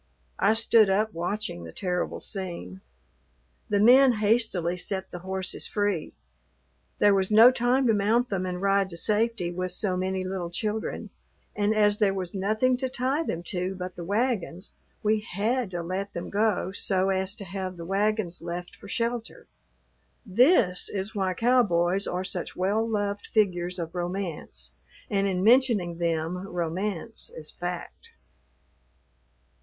I stood up watching the terrible scene. The men hastily set the horses free. There was no time to mount them and ride to safety with so many little children, and as there was nothing to tie them to but the wagons; we had to let them go so as to have the wagons left for shelter. This is why cowboys are such well loved figures of romance and in mentioning them romance is fact.